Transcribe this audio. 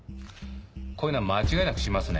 こういうのは間違いなくしますね。